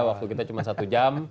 waktu kita cuma satu jam